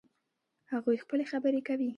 هغوی خپلې خبرې کوي